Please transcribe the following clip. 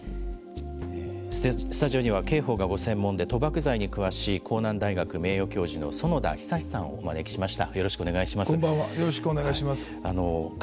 スタジオには刑法がご専門で賭博罪に詳しい甲南大学名誉教授の園田寿さんをお招きしました。